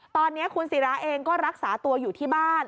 ตอนนี้คุณศิราเองก็รักษาตัวอยู่ที่บ้าน